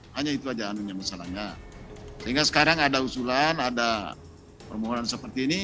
hanya itu saja anunya masalahnya sehingga sekarang ada usulan ada permohonan seperti ini